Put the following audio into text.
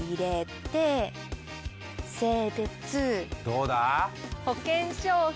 どうだ？